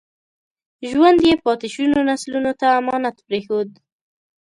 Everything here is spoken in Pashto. ژوند یې پاتې شونو نسلونو ته امانت پرېښود.